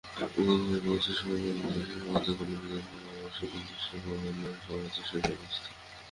উভয় বস্তুই সময় বিশেষে সমাজের কল্যাণের জন্য আবশ্যক, কিন্তু সে কেবল সমাজের শৈশবাবস্থায়।